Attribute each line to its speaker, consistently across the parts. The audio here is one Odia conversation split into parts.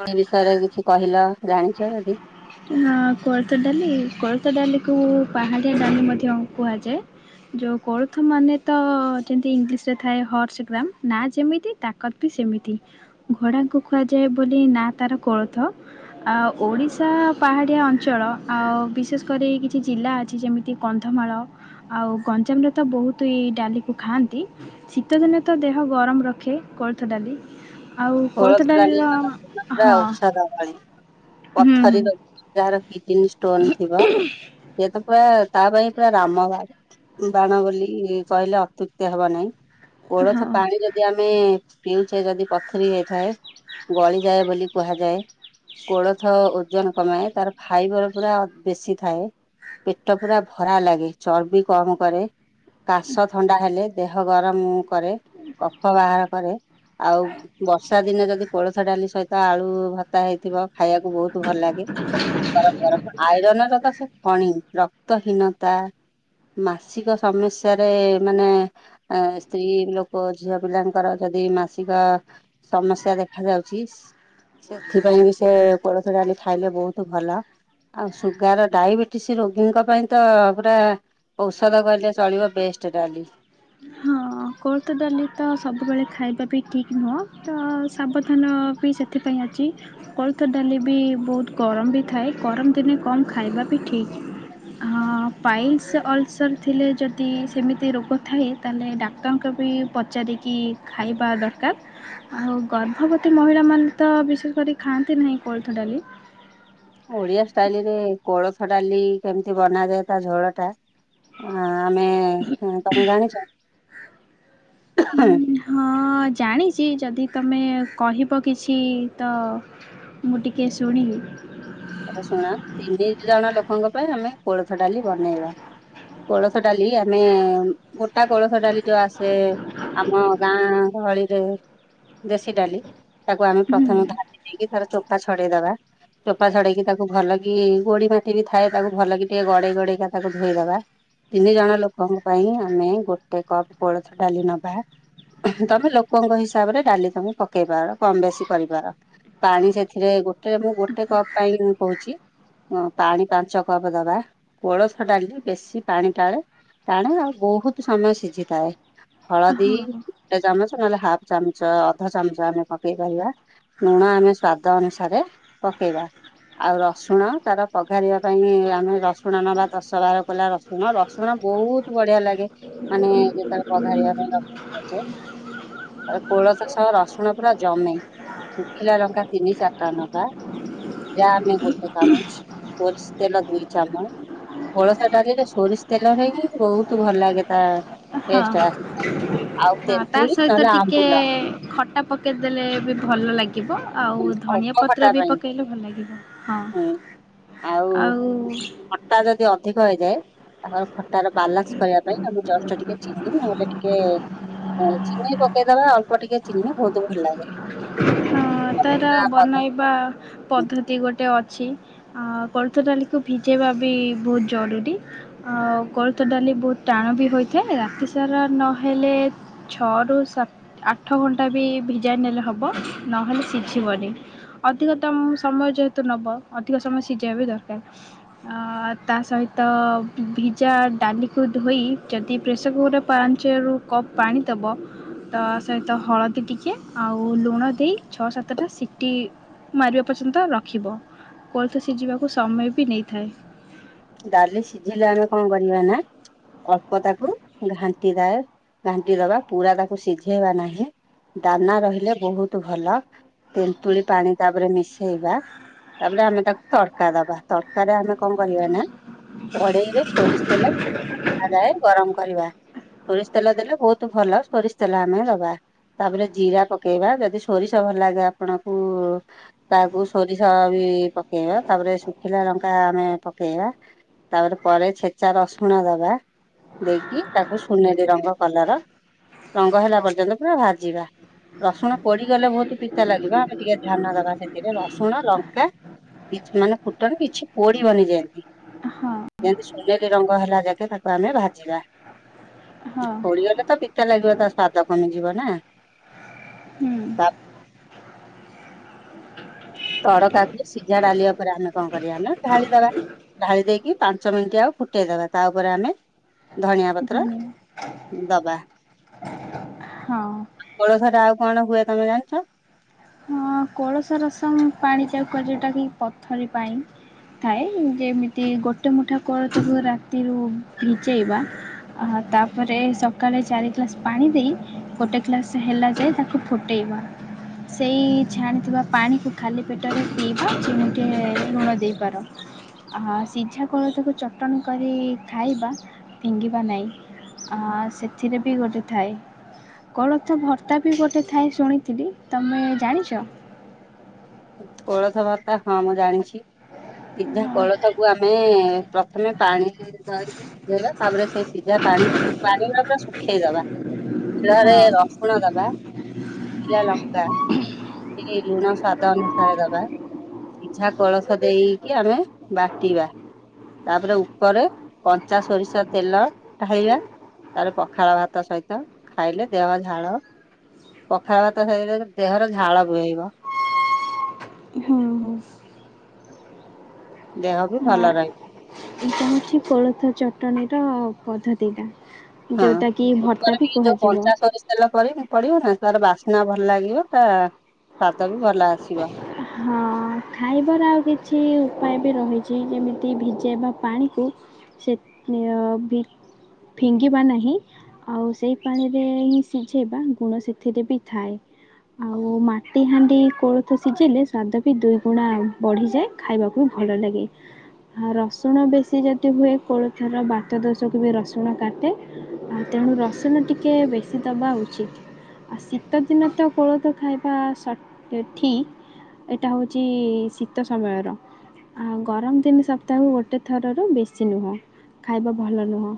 Speaker 1: ତୁମ ବିଷୟରେ କିଛି କହିଲ ଜାଣିଛ ଯଦି।
Speaker 2: ହଁ କୋଳଥ ଡାଲି କୋଳିଥ ଡାଲିକୁ ପାହାଡ଼ିଆ ଡାଲି ମଧ୍ୟ କୁହାଯାଏ। ଯୋଉ କୋଳଥ ମାନେ ତ ଯେମିତି ଇଂଲିଶରେ ଥାଏ ହର୍ସ ଗ୍ରାମ ନାଁ ଯେମିତି ତାକତ ବି ସେମିତି ଘୋଡାଙ୍କୁ ଖୁଆଯାଏ ବୋଲି ନା ତାର କୋଳଥ। ଆ ଓଡ଼ି ଓଡ଼ିଶା ପାହାଡ଼ିଆ ଅଞ୍ଚଳ ଆଉ ବିଶେଷ କରି କିଛି ଜିଲ୍ଲା ଅଛି ଯେମିତି କନ୍ଧମାଳ ଆଉ ଗଞ୍ଜାମରେ ତ ବହୁତ ଏଇ ଡାଲିକୁ ଖାଆନ୍ତି। ଶୀତଦିନେ ତ ଦେହ ଗରମ ରଖେ କୋଳଥ ଡାଲି। ଆଉ
Speaker 1: କୋଳଥ ଡାଲି
Speaker 2: ଡାଲିର
Speaker 1: ପୁରା
Speaker 2: ହଁ
Speaker 1: ଔଷଧ ଭଳି।
Speaker 2: ହୁଁ
Speaker 1: ପଥରୀ
Speaker 2: ହୁଁ
Speaker 1: ରହିଛି ଯାହାର କିଡନୀ ଷ୍ଟୋନ ଥିବ ସେତ ପୁରା ତା ପାଇଁ ପୁରା ରାମବା ବାଣ ବୋଲି କହିଲେ ଅତ୍ୟୁକ୍ତି ହବ ନାହିଁ। କୋଳଥ
Speaker 2: ହଁ
Speaker 1: ପାଣି ଯଦି ଆମେ ପିଉଛେ ଯଦି ପ ଥରି ହେଇଥାଏ ଗଳିଯାଏ ବୋଲି କୁହାଯାଏ। କୋଳଥ ଓଜନ କମାଏ ତାର ଫାଇବର ପୁରା ବେଶୀ ଥାଏ। ପେଟ ପୁରା ଭରା ଲାଗେ ଚର୍ବି କମ କରେ। କାଶ ଥଣ୍ଡା ହେଲେ ଦେହ ଗରମ କରେ କଫ ବାହାର କରେ। ଆଉ ବର୍ଷା ଦିନେ ଯଦି କୋଳଥ ଡାଲି ସହିତ ଆଳୁ ଭତ୍ତା ହେଇଥିବ ଖାଇବାକୁ ବହୁତ ଭଲ ଲାଗେ ଗରମ ଗରମ। ଆଇରନର ତ ସେ ଖଣି ରକ୍ତହୀନତା ମାସିକ ସମସ୍ୟାରେ ମାନେ ଆ ସ୍ତ୍ରୀ ଲୋକ ଝିଅ ପିଲାଙ୍କର ଯଦି ମାସିକ ସମସ୍ୟା ଦେଖାଯାଉଛି ସେଥିପାଇଁ ବି ସେ କୋଳଥ ଡାଲି ଖାଇଲେ ବହୁତ ଭଲ ଆଉ ସୁଗାର ଡାଇବେଟିସ ରୋଗୀଙ୍କ ପାଇଁ ତ ପୁରା ଔଷଧ କହିଲେ ଚଳିବ ବେଷ୍ଟ ଡାଲି।
Speaker 2: ହଁ। ହଁ କୋଳଥ ଡାଲି ତ ସବୁବେଳେ ଖାଇବା ବି ଠିକ୍ ନୁହେ ତ ସାବଧାନ ବି ସେ ସେଥିପାଇଁ ଆଜି କୋଳଥ ଡାଲି ବି ବହୁତ ଗରମ ବି ଥାଏ ଗରମ ଦିନେ କମ ଖାଇବା ବି ଠିକ୍। ହଁ ପାଇଲସ ଅଲସର୍ ଥିଲେ ଯଦି ସେମିତି ରୋଗ ଥାଏ ତାହେଲେ ଡାକ୍ତରଙ୍କୁ ବି ପଚାରିକି ଖାଇବା ଦରକାର। ଆଉ ଗର୍ଭବତୀ ମହିଳାମାନେ ତ ବିଶେଷ କରି ଖାଆନ୍ତି ନାହିଁ କୋଳଥ ଡାଲି।
Speaker 1: ଓଡିଆ ଷ୍ଟାଇଲରେ କୋଳଥ ଡାଲି କେମିତି ବନାଯାଏ ତା ଝୋଳ ଟା ଆ ଆମେ ତମେ ଜାଣିଛ?
Speaker 2: ହଁ ଜାଣିଛି ଯଦି ତୁମେ କହିବ କିଛି ତ ମୁଁ ଟିକେ ଶୁଣିବି।
Speaker 1: ତାହାଲେ ଶୁଣ ତିନି ଜଣ ଲୋକଙ୍କ ପାଇଁ ଆମେ କୋଳଥ ଡାଲି ବନେଇବା। କୋଳଥ ଡାଲି ଆମେ ମୋଟା କୋଳଥ ଡାଲି ଯୋଉ ଆସେ ଆମ ଗାଁ ଗହଳିରେ। ଦେଶୀ ଡାଲି ତାକୁ ଆମେ
Speaker 2: ହୁଁ
Speaker 1: ପ୍ରଥମେ ଭାଜି ଦେଇକି ତାର ଚୋପା ଛଡେଇଦବା। ଚୋପା ଛଡେଇକି ତାକୁ ଭଲ କି ଗୋଡି ମାଟି ବି ଥାଏ ତାକୁ ଭଲ କି ଟିକେ ଗଡେଇ ଗଡେଇକା ତାକୁ ଧୋଇଦବା ତିନି ଜଣ ଲୋକଙ୍କ ପାଇଁ ଆମେ ଗୋଟେ କପ କୋଳଥ ଡାଲି ନବା। ତମେ ଲୋକଙ୍କ ହିସାବରେ ଡାଲି ତମେ ପକେଇ ପାର କମ ବେଶୀ କରିପାର ପାଣି ସେଥିରେ ଗୋଟେ ମୁଁ ଗୋଟେ କପ୍ ପାଇଁ ମୁ କହୁଛି। ହ ପାଣି ପାଞ୍ଚ କପ ଦବା କୋଳଥ ଡାଲି ବେଶୀ ପାଣି ଟାଳେ ଟାଣେ ଆଉ ବହୁତ ସମୟ ସିଝିଥାଏ। ହଳଦୀ
Speaker 2: ହଁ।
Speaker 1: ଗୋଟେ ଚାମଚ ନହେଲେ ହାଫ ଚାମଚ ଅଧ ଚାମଚ ଆମେ ପକେଇ ପାରିବା ଲୁଣ ଆମେ ସ୍ଵାଦ ଅନୁସାରେ ପକେଇବା। ଆଉ ରସୁଣ ତାର ବଘାରିବା ପାଇଁ ଆମେ ରସୁଣ ନବା ଦଶ ବାର କୋଲା ରସୁ ଶୁଣ ରସୁଣ ବହୁତ ବଢିଆ ଲାଗେ ମାନେ ଯେତେବେଳେ ପଘାରିବା ପାଇଁସୁଣ ଅଛେ କୋଳଥ ସହ ରସୁଣ ପୁରା ଜମେ ଶୁଖିଲା ଲଙ୍କା ତିନି ଚାରିଟା ଲଙ୍କା ଯ ଆମେ ଗୋଟେ ଚାମଚ ସୋରିଷ ତେଲ ଦୁଇ ଚାମଚ କୋଳଥ ଡାଲିରେ ସୋରିଷ ତେଲ ହେଇନେଇକି ବହୁତ ଭଲ ଲାଗେ ତା
Speaker 2: ହଁ
Speaker 1: ଟେଷ୍ଟ ଆସେ ଆଉ
Speaker 2: ହଁ ତା
Speaker 1: ତେନ୍ତୁଳି
Speaker 2: ସହିତ
Speaker 1: ନହେଲେ
Speaker 2: ଟିକେ
Speaker 1: ଆମ୍ବୁଲ
Speaker 2: ଖଟା ପକେଇଦେଲେ ବି ଭଲ ଲାଗିବ। ଆଉ ଧନିଆ
Speaker 1: ଅଳ୍ପ ଖଟା
Speaker 2: ପତ୍ର ବି
Speaker 1: ପାଇଁ
Speaker 2: ପକେଇଲେ ଭଲ ଲାଗିବ ହଁ
Speaker 1: ହୁଁ
Speaker 2: ଆଉ
Speaker 1: ଖଟା ଯଦି ଅଧିକ ହେଇଯାଏ ତାହାର ଖଟା ର ବାଲାନ୍ସ କରିବା ପାଇଁ ଆମ ଜଷ୍ଟ ଟିକେ ଚିନି ଆ ଗେ ଟିକେ ଡାଲଚିନି ପକେଇଦବା ଅଳ୍ପ ଟିକେ ଚିନି ବହୁତ ଭଲ ଲାଗେ।
Speaker 2: ହଁ ତାରା
Speaker 1: ନା ପଦ
Speaker 2: ବନେଇବା ପଦ୍ଧ ତି ଗୋଟେ ଅଛି ଆ କୋଳଥ ଡାଲିକୁ ଭିଜେଇବା ବି ବହୁତ ଜରୁରୀ ଆଉ କୋଳଥ ଡାଲି ବହୁତ ଟାଣ ବି ହୋଇଥାଏ ରାତି ସାରା ନହେଲେ ଛଅରୁୁ ସାତ ଆଠ ଘଣ୍ଟା ବି ଭିଜାଇ ନେଲେ ହେବ ନହେଲେ ସିଝ ଶିବନି ଅଧିକ ଦମ ସମୟ ଯେହେତୁ ନବ ଅଧିକ ସମୟ ସିଝବା ବି ଦରକାର ଆ ତା ସହିତଭି ଭିଜା ଡାଲିକୁ ଧୋଇ ଯଦି ପ୍ରେସର କୁକର ପାଞ୍ଚ ରୁ କପ୍ ପାଣି ଦେବ ତା ସହିତ ହଳଦୀ ଟିକେ ଆଉ ଲୁଣ ଦେଇ ଛଅ ସାତ ତଟା ସିଟି ମାରିବା ପର୍ଯ୍ୟନ୍ତ ରଖିବ କୋଲଥ ସିଝିବାକୁ ସମୟ ବି ନେଇଥାଏ।
Speaker 1: ଡାଲି ସିଝିଲେ ଆମେ କଣ କରିବା ନା ଅଳ୍ପ ତାକୁ ଘାଣ୍ଟି ଦିଏ ଘାଣ୍ଟି ଦବା ପୁରା ତାକୁ ସିଝେଇବା ନାହିଁ। ଦାନା ରହିଲେ ବହୁତ ଭଲ ତେନ୍ତୁଳି ପାଣି ତାପରେ ମିଶେଇବା ତାପରେ ଆମେ ତାକୁ ତଡ଼କା ଦବା ତରକରେ ଆମେ କଣ କରିବା ନା କଢେଇ ରେ ସୋରିଷ ତେଲ ତା ଯାଏ ଗରମ କରିବା ସୋରିଷ ତେଲ ଦେଲେ ବହୁତ ଭଲ ସୋରିଷ ତେଲ ଆମେ ଦବା ତାପରେ ଜିରା ପକେଇବା ଯଦି ସୋରିଷ ଭଲ ଲାଗେ ଆପଣଙ୍କୁ ତାକୁ ସୋରିଷ ବି ପକେଇବା ତାପରେ ଶୁଖିଲା ଲଙ୍କା ଆମେ ପକେଇବା। ତାପରେ ପରେ ଛେଚା ରସୁଣ ଦବା ଦେଇକି ତାକୁ ସୁନେଲି ରଙ୍ଗ କଲର ରଙ୍ଗ ହେଲା ପର୍ଯ୍ୟନ୍ତ ପୁରା ଭାଜିବା। ରସୁଣ ପୋଡିଗଲେ ବହୁତ ପିତା ଲାଗିବ ଆମେ ଟିକେ ଧ୍ୟାନ ଦବା ସେଥିରେ ରସୁଣ ଲଙ୍କା କିଛି ମାନେ ଫୁଟଣ କିଛି ପୋଡିବନି ଯେନ୍ତି।
Speaker 2: ହଁ
Speaker 1: ଯେମତି ସୋନେଲି ରଙ୍ଗ ହେଲା ଯାକେ ତାକୁ ଆମେ ଭାଜିବା।
Speaker 2: ହଁ
Speaker 1: ପୋଡ଼ିଗଲେ ତ ପିତା ଲାଗିବ ତା ସ୍ଵାଦ କମିଯିବ ନା ତା
Speaker 2: ହୁଁ
Speaker 1: ତଡକାକୁ ସିଝା ଡାଲିବା ଉପରେ ଆମେ କଣ କରିବା ନା ଢାଳି ଦବା ଢାଳି ଦେଇକି ପାଞ୍ଚ ମିନିଟ ଆଉ ଫୁଟେଇଦବା ତା ଉପରେ ଆମେ ଧନିଆ ପତ୍ର ଦବା
Speaker 2: ହଁ
Speaker 1: କୋଳଥରେ ଆଉ କଣ ହୁଏ ତମେ ଜାଣିଛ?
Speaker 2: ହଁ କୋଳସ ରସମ ପାଣି ଯାଉକ ଯେଉଁଟା କିି ପଥରି ପାଇଁ ଥାଏ ଯେମିତି ଗୋଟେ ମୁଠା କୋଳଥକୁ ରାତିରୁ ଭିଜେଇବା। ହଁ ତାପରେ ସକାଳେ ଚାରି ଗ୍ଲାସ ପାଣି ଦେଇ ଗୋଟେ ଗ୍ଲାସ ହେଲା ଯାଏ ତାକୁ ଫୁ ଫୁଟେଇବ ସେଇ ଛାଣିଥିବା ପାଣିକୁ ଖାଲି ପେଟରେ ପିଇବା ଚିମୁଟେ ଲୁଣ ଦେଇପାର। ହାଁ ସିଝାକୋଳଥ କୁ ଚଟଣି କରି ଖାଇବା ଫିଙ୍ଗିବା ନାଇଁ। ଅଁ ସେଥିରେ ବି ଗୋଟେ ଥାଏ କୋଳଥଭର୍ତ୍ତା ବି ଗୋଟେ ଥାଏ ଶୁଣିଥିଲି ତମେ ଜାଣିଚ?
Speaker 1: କୋଳଥ ଭର୍ତ୍ତା ହଁ ମୁଁ ଜାଣିଚି। ସିଝା
Speaker 2: ହଁ।
Speaker 1: କୋଳଥକୁ ଆମେ ପ୍ରଥମେ ପାଣିରେ ଧୋଇକି ସିଝେଇବା ତାପରେ ସେ ସିଝାପାଣି କୁ ପାଣି ପୁରା ଶୁଖେଇଦବା। ଶିଳରେ ରସୁଣ ଦବା ଶୁଖିଲା ଲଙ୍କା ଟିକେ ଲୁଣ ସ୍ୱାଦ ଅନୁସାରେ ଦବା ସିଝା କୋଳଥ ଦେଇକି ଆମେ ବାଟିବା। ତାପରେ ଉପରେ କଞ୍ଚା ସୋରିଷ ତେଲ ଢାଲିବା। ତାର ପଖାଳ ଭାତ ସହିତ ଖାଇଲେ ଦେହ ଝାଳ ପଖା ଭାତ ସହିତ ଦେହର ଝାଳ ବୁହେଇବ।
Speaker 2: ହୁଁ ହୁଁ।
Speaker 1: ଦେହ ବି ଭଲ
Speaker 2: ହଁ
Speaker 1: ରହିବ।
Speaker 2: ଏଇଟା କୋଳଥ ଚଟଣୀର ପଦ୍ଧତିଟା।
Speaker 1: ହଁ
Speaker 2: ଯୋଉଟା କି ଭର୍ତ୍ତା
Speaker 1: ଉପରେ
Speaker 2: ବି
Speaker 1: ଟିକେ ଯୋଉ
Speaker 2: କୁହାଯିବ।
Speaker 1: କଞ୍ଚା ସୋରିଷ ତେଲ ପଡିବ ନା ତାର ବାସ୍ନା ଭଲ ଲାଗିବ ତା ସ୍ୱାଦ ବି ଭଲ ଆସିବ।
Speaker 2: ହଁ ଖାଇବାର ଆଉ କିଛି ଉପାୟ ବି ରହିଚି ଯେମିତି ଭିଜେଇବା ପାଣିକୁ ସେ ବି ଭି ଫିଙ୍ଗିବା ନାହିଁ। ଆଉ ସେଇ ପାଣିରେ ହିଁ ସିଝେଇବା ଗୁଣ ସେଥିରେ ବି ଥାଏ। ଆଉ ମାଟିହାଣ୍ଡି କୋଳଥ ସିଝିଲେ ସ୍ୱାଦ ବି ଦୁଇ ଗୁଣା ବଢ଼ିଯାଏ ଖାଇବାକୁ ବି ଭଲ ଲାଗେ। ଆଉ ରସୁଣ ବେଶୀ ଯଦି ହୁଏ କୋଳଥର ବାତ ଦୋଷକୁ ବି ରସୁଣ କାଟେ। ତେଣୁ ରସୁଣ ଟିକେ ବେଶୀ ଦବା ଉଚିତ୍। ଆଉ ଶୀତଦିନ ତ କୋଳଥ ଖାଇବା ସ୍ୱାସ୍ ଠିକ୍। ଏଇଟା ହଉଚି ଶୀତ ସମୟର। ଆଉ ଗରମ ଦିନ ସପ୍ତାହକୁ ଗୋଟେ ଥରରୁ ବେଶୀ ନୁହଁ ଖାଇବା ଭଲ ନୁହଁ।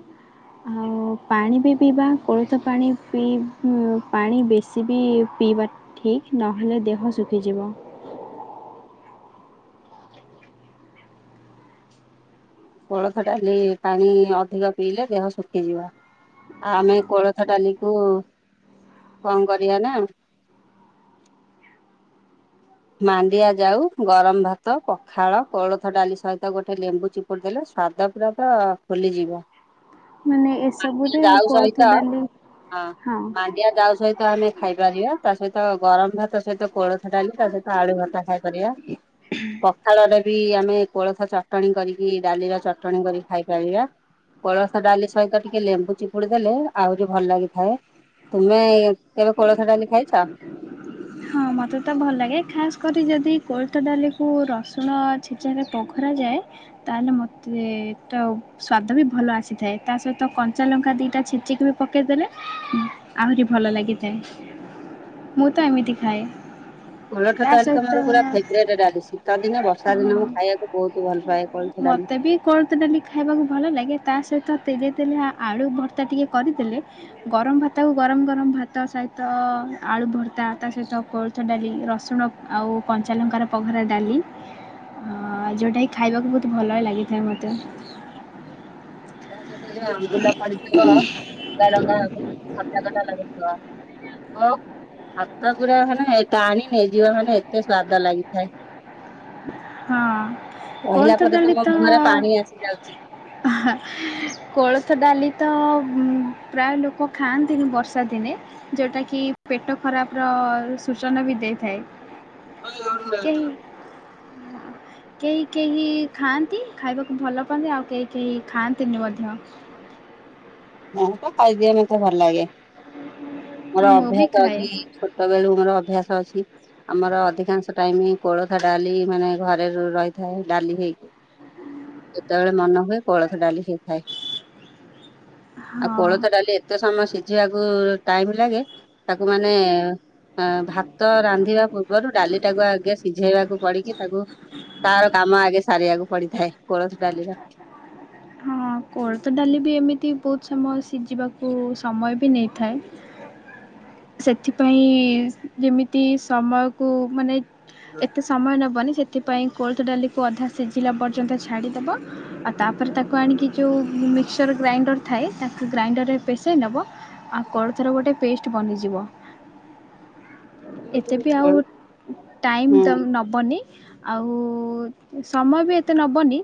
Speaker 2: ଆଉ ପାଣି ବି ପିଇବା କୋଳଥ ପାଣି ପିଇ ପାଣି ବେଶୀ ବେସି ବି ପିଇବା ଠିକ୍ ନହେଲେ ଦେହ ଶୁଖିଯିବ।
Speaker 1: କୋଳଥ ଡାଲି ପାଣି ଅଧିକ ପିଇଲେ ଦେହ ଶୁଖିଯିବ। ଆମେ କୋଳଥ ଡାଲିକୁୁ କଣ କରିବା ନା ମାଣ୍ଡିଆ ଜାଉ ଗରମ ଭାତ ପଖାଳ କୋଳଥ ଡାଲି ସହିତ ଗୋଟେ ଲେମ୍ବୁ ଚିପ ପୁଡ଼ି ଦେଲେ ସ୍ୱାଦ ପୁରା ତ ଭୁଲିଯିବ।
Speaker 2: ମାନେ ଏସବୁରେ କୋଳଥ ଡାଲି ହଁ।
Speaker 1: ଡିଆ ଜାଉ ସହିତ ଆମେ ଖାଇପାରିବା ତା ସହିତ ଗରମ ଭାତ ସହିତ କୋଳଥ ଡାଲି ତା ସ ଆଳୁ ଭର୍ତ୍ତା ଖାଇପାରିବା। ପଖାଳରେ ବି ଆମେ କୋଳଥ ଚଟଣି କରିକି ଡାଲିର ଚଟଣି କରିକି ଖାଇପାରିବା। କୋଳଥ ଡାଲି ସହିତ ଟିକେ ଲେମ୍ବୁ ଚିପୁଡ଼ି ଦେଲେ ଆହୁରି ଭଲ ଲାଗିଥାଏ। ତୁମେ କେବେ କୋଳଥ ଡାଲି ଖାଇଚ?
Speaker 2: ହଁ ମତେ ତ ଭଲ ଲାଗେ ଖାସ୍ କରି ଯଦି କୋଳଥ ଡାଲିକୁ ରସୁଣ ଛେ ଚା ରେ ପଘରାଯାଏ ତାହେଲେ ମୋତେ ତ ସ୍ୱାଦ ବି ଭଲ ଆସିଥାଏ। ତା ସହିତ କଞ୍ଚାଲଙ୍କା ଦିଟା ଛେଚିକି ବି ପକେଇଦେଲେ ଆହୁରି ଭଲ ଲାଗିଥାଏ। ମୁଁ ତ ଏମିତି ଖାଏ।
Speaker 1: କୋଳଥ
Speaker 2: ତା
Speaker 1: ଡାଲି ତ
Speaker 2: ସହିତ
Speaker 1: ମୋର ପୁରା ଫେବ୍ରେଟ ଡାଲି ଶୀତ ଦିନ ବର୍ଷା ଦିନ ମୁଁ ଖାଇବାକୁ ବହୁତ ଭଲ ପାଏ। କୋଳଥ ଡାଲି।
Speaker 2: ମତେ ବି କୋଳଥ ଡାଲି ଖାଇବାକୁ ଭଲ ଲାଗେ ତା ସହିତ ତେଲିଆ ତେଲିଆ ଆଳୁ ଭର୍ତ୍ତା ଟିକେ କରିଦେଲେ ଗରମ ଭାତ ଆଉ ଗରମ ଗରମ ଭାତ ସହିତ ଆଳୁ ଭର୍ତା ତା ସହିତ କୋଳ ଥ ଡାଲି ରସୁଣ ଆଉ କଞ୍ଚାଲଙ୍କାର ପଘରା ଡାଲି। ଅ ଯଉଟା କିି ଖାଇବାକୁ ବହୁତ ଭଲ ଲାଗିଥାଏ ମତେ।
Speaker 1: ତା ସହିତ ସେ ଯୋଉ ଆମ୍ବୁଲ ପଡ଼ିଥିବ ତା ରନ୍ଧା ଖଟା ଖଟା ଲାଗୁଥିବ। ଓ ଭାତ ପୁରା ମାନେ ଟାଣି ନେଇଯିବ ମାନେ ଏତେ ସ୍ଵାଦ ଲାଗିଥାଏ।
Speaker 2: ହଁ।
Speaker 1: କହିଲା
Speaker 2: କୋଳଥ
Speaker 1: ପରେ ତ ମୋ ମୁହଁରେ ପାଣି ଆସିଯାଉଛି।
Speaker 2: ହଁ କୋଳଥ ଡାଲିତ ହୁଁ ପ୍ରାୟ ଲୋକ ଖାଆନ୍ତିନି ବର୍ଷା ଦିନେ। ଯୋଉ ଟାକି ପେଟ ଖରାପର ସୂଚନା ବି ଦେଇଥାଏ।
Speaker 1: [unintelligible]
Speaker 2: ହଁ। କେହି କେହି ଖାଆନ୍ତି ଖାଇବାକୁ ଭଲ ପାଆନ୍ତି ଆଉ କେହି କେହି ଖାଆନ୍ତିନି ମଧ୍ୟ।
Speaker 1: ମୁ ତ ଖାଇଦିଏ ମତେ ଭଲ ଲାଗେ
Speaker 2: ତ
Speaker 1: ମୋର
Speaker 2: ମୁଁ ବି
Speaker 1: ଅଭ୍ୟାସ
Speaker 2: ଖାଏ
Speaker 1: ଅଛି ଛୋଟ ଟବେଳୁ ମୋର ଅଭ୍ୟାସ ଅଛି। ଆମର ଅଧିକାଂଶ ଟାଇମ କୋଳଥ ଡାଲି ମାନେ ଘରେ ର ରହିଥାଏ ଡାଲି ହେଇକି। ଯେତେବେଳେ ମନ ହୁଏ କୋଳଥ ଡାଲି ହେଇଥାଏ। ଆଉ
Speaker 2: ହଁ
Speaker 1: କୋଳଥ ଡାଲି ଏତେ ସମୟ ସିଝିବାକୁ ଟାଇମ ଲାଗେ ତାକୁ ମାନେ ଅ ଭାତ ରାନ୍ଧିବା ପୂର୍ବରୁ ଡାଲିଟାକୁ ଆଗେ ସିଝେଇବାକୁ ପଡିକି ତାକୁ ତାର କାମ ଆଗ ସାରିବାକୁ ପଡିଥାଏ କୋଳଥ ଡାଲିର।
Speaker 2: ହଁ। ହଁ କୋଳଥ ଡାଲି ବି ଏମିତି ବହୁତ ସମୟ ସିଝିବାକୁ ସମୟ ବି ନେଇଥାଏ। ସେଥିପାଇଁ ଯେମିତି ସମୟକୁ ମାନେ ଏତେ ସମୟ ନେବନି ସେଥିପାଇଁ କୋଲଥ ଡାଲିକୁ ଅଧା ସିଝିଲା ପର୍ଯ୍ୟନ୍ତ ଛାଡ଼ିଦବ। ଆଉ ତାପରେ ତାକୁ ଆଣିକି ଯେଉଁ ମିକ୍ସଚର ଗ୍ରାଇଣ୍ଡର ଥାଏ ତାକୁ ଗ୍ରାଇଣ୍ଡରରେ ପେସେଇ ନବ। ଆଉ କୋଳଥର ଗୋଟେ ପେଷ୍ଟ ବନିଯିବ। ଏତେ ବି ଆଉ ଟାଇମ୍ ତ
Speaker 1: ହୁଁ
Speaker 2: ନବନି ଆଉ ସମୟ ବି ଏତେ ନବନି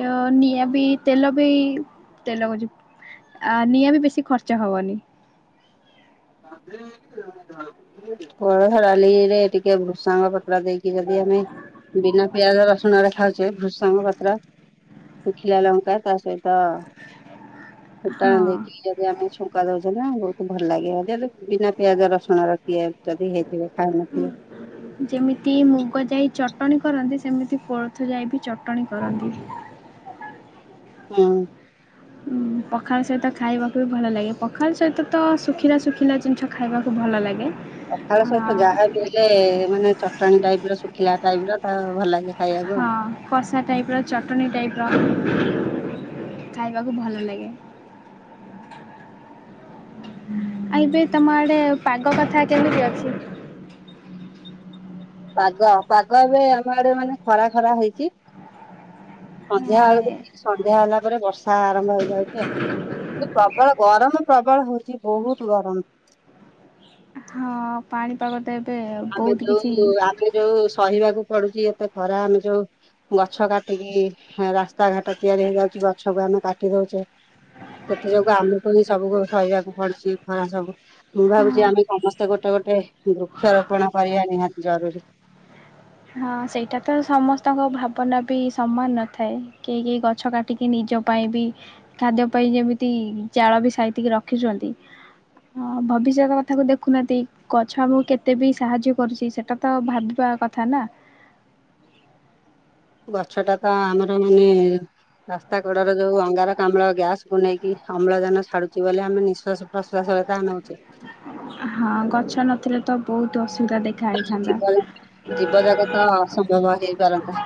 Speaker 2: ଯୋ ନିଆଁ ବି ତେଲ ବି ତେଲ କହୁଚି ଆ ନିଆଁ ବି ବେଶି ଖର୍ଚ୍ଚ ହବନି।
Speaker 1: [unintelligible] କୋଳଥ ଡାଲିରେ ଟିକେ ଭୃଷଙ୍ଗ ପ ତ୍ର୍ ଦେଇକି ଯଦି ଆମେ ବିନା ପିଆଜ ରସୁଣରେ ଖାଉଛେ ଭୃସଙ୍ଗ ପତ୍ର ଶୁଖିଲା ଲଙ୍କା ତା ସହିତ ଫୁଟଣ
Speaker 2: ହଁ
Speaker 1: ଦେଇକି ଯଦି ଆମେ ଛୁଙ୍କ ଙ୍କ ଦଉଛନ୍ତି ନା ବହୁତ ଭଲ ଲାଗେ ବୋଲି ବିନା ପିଆଜ ରସୁଣରେ କିଏ ଯଦି ହେଇଥିବେ ଖାଉନଥିବ।
Speaker 2: [inaudible] ଯେମିତି ମୁଗ ଯାଇ ଚଟଣି କରନ୍ତି ସେମିତି କୋଳଥ ଯାଇ ବି ଚଟଣି କରନ୍ତି।
Speaker 1: ହୁଁ।
Speaker 2: ହୁଁ। ପଖାଳ ସହିତ ଖାଇବାକୁ ବି ଭଲ ଲାଗେ ପଖାଳ ସହିତ ତ ଶୁଖିଲା ଶୁଖିଲା ଜିନିଷ ଖାଇବାକୁ ଭଲ ଲାଗେ।
Speaker 1: ପଖାଳ ସହିତ ଯାହା ବି ହେଲେ ମାନେ ଚଟଣି ଟାଇପର ଶୁଖିଲା ଟାଇପର ତ ଭଲ ଲାଗେ। ଖାଇବାକୁ ଆଉ।
Speaker 2: ହଁ। କଷା ଟାଇପର ଚଟଣି ଟାଇପର ଖାଇବାକୁ ଭଲ ଲାଗେ। [inaudible] ଏବେ ତମ ଆଡେ ପାଗ କଥା କେମିତି ଅଛି।
Speaker 1: ପାଗ ପାଗ ଏବେ ଆମ ଆଡେ ମାନେ ଖରା ଖରା ହେଇଛି। ସନ୍ଧ୍ୟାବେଳକୁ ଠିକ ସନ୍ଧ୍ୟା ହେଲା ପରେ ବର୍ଷା ଆରମ୍ଭ ହେଇଯାଉଛି ଆଉ। କିନ୍ତୁ ପ୍ରବଳ ଗରମ ପ୍ରବଳ ହଉଛି ବହୁତ ଗରମ।
Speaker 2: ହଁ ପାଣିପାଗ ତ ଏବେ ବହୁତ କିଛି
Speaker 1: ଯଉ ସହିବାକୁ ପଡୁଛି ଏତେ ଖରା ଆମେ ଯଉ ଗଛ କାଟିକି ରାସ୍ତା ଘାଟ ତିଆରି ହେଇଯାଉଛି ଗଛକୁ ଆମେ କାଟି ଦଉଛେ। ସେଥି ଯୋଗୁ ଆମକୁ ହି ସବୁ ଆମକୁ ସହିବାକୁ ପଡୁଛି ଖରା ସବୁ, ମୁଁ ଭାବୁଛି
Speaker 2: ହଁ
Speaker 1: ଆମେ ସମସ୍ତେ ଗୋଟେ ଗୋଟେ ଦୁଖ ଆପଣା କରିବା ନିହାତି ଜରୁରୀ।
Speaker 2: ହଁ ସେଇଟା ତ ସମସ୍ତଙ୍କ ଭାବନା ବି ସମାନ ନଥାଏ, କେହି କେହି ଗଛ କା ଟିକି ନିଜ ପାଇଁ ବି, ଖାଦ୍ୟ ପାଇଁ ଯେମିତି ଜାଳ ବି ସାଇତିକି ରଖିଛନ୍ତି। ହଁ ଭବିଷ୍ୟତ କଥାକୁ ଦେଖୁନାହାନ୍ତି, ଗଛ ଆମକୁ କେତେ ବି ସାହାଯ୍ୟ କରୁଛି ସେଟା ତ ଭାବିବା କ ଥା ନା।
Speaker 1: ଗଛଟା ତ ଆମର ମାନେ ରାସ୍ତା କଡରେ ଯୋଉ ଅଙ୍ଗାରକାମ୍ଳ ଗ୍ୟାସକୁୁ ନେଇକି, ଅମ୍ଳଜାନ ଛାଡୁଛି ବୋଲି ଆମେ ନିଶ୍ଵାସ ପ୍ରଶ୍ୱାସ [unintelligible] ନଉଚେ।
Speaker 2: ହଁ ଗଛ ନଥିଲେ ତ ବହୁତ ଅସୁବିଧା ଦେ
Speaker 1: ଜୀବଜନ୍ତୁ ଜୀବଜଗତ ଅସମ୍ଭବ ହେଇପାରନ୍ତା।